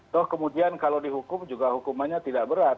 toh kemudian kalau dihukum juga hukumannya tidak berat